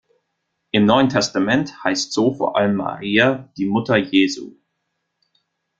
Im Neuen Testament heißt so vor allem Maria, die Mutter Jesu.